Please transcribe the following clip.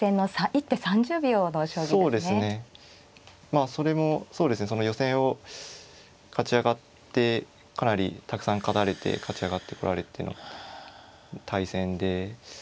まあそれもそうですねその予選を勝ち上がってかなりたくさん勝たれて勝ち上がってこられての対戦で。